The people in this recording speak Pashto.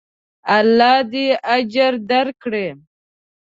الله دې اجر درکړي.